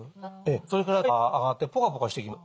それから体温が上がってポカポカしてきます。